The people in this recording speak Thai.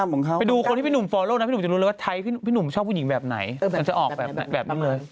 ไม่หรอกคือ